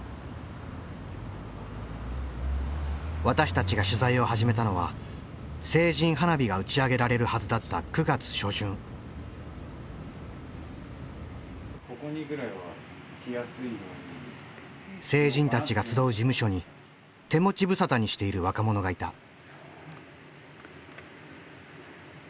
私たちが取材を始めたのは成人花火が打ち上げられるはずだった成人たちが集う事務所に手持ち無沙汰にしている若者がいた。